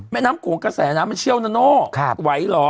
แม่น้ำโขงกระแสน้ำมันเชี่ยวนะโน่ไหวเหรอ